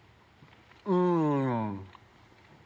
うん。